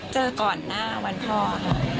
ก่อนหน้าวันพ่อค่ะ